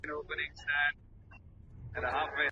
خاوند دي له ميرمني څخه بستر بېل کړي.